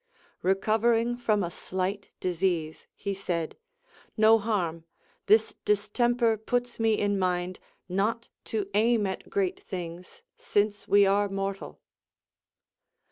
Kecovering from a slight disease, he said : No harm ; this distemper puts me in mind not to aim at great things, since we are mortal.